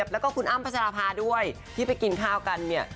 แล้วก็คุณอ้ำพัชราภาด้วยที่ไปกินข้าวกันเนี่ย